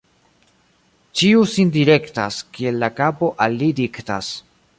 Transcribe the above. Ĉiu sin direktas, kiel la kapo al li diktas.